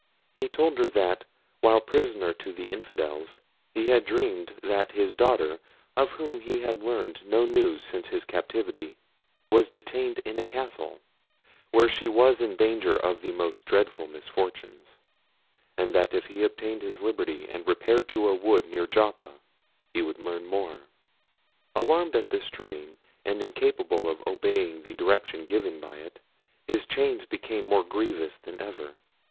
He told her that, while prisoner to the infidels, he had dreamed that his daughter, of whom he had learned no news since his captivity, was detained in a castle, where she was in danger of the most dreadful misfortunes: and that if he obtained his liberty, and repaired to a wood near Joppa, he would learn more. Alarmed at this dream, and incapable of obeying the direction given by it, his chains became more grievous than ever.